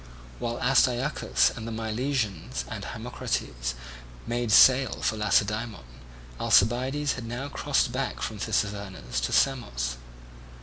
While Astyochus and the Milesians and Hermocrates made sail for Lacedaemon, Alcibiades had now crossed back from Tissaphernes to Samos.